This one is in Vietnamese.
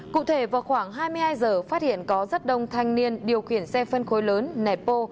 cụ thể vào khoảng hai mươi hai giờ phát hiện có rất đông thanh niên điều khiển xe phân khối lớn nẹt bô